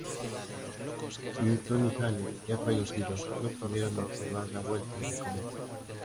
Newton y Halley ya fallecidos no pudieron observar la vuelta del cometa.